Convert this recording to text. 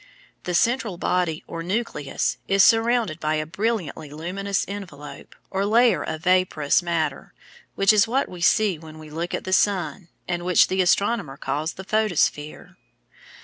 The central body or nucleus is surrounded by a brilliantly luminous envelope or layer of vaporous matter which is what we see when we look at the sun and which the astronomer calls the photosphere.